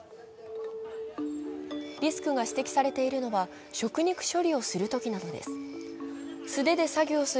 リスクが指摘されているのは食肉処理をするときなどです。